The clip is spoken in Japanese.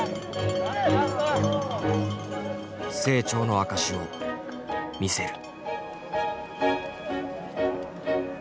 「成長の証しを見せる」。